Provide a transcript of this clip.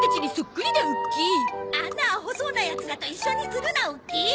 あんなアホそうなヤツらと一緒にするなウッキー！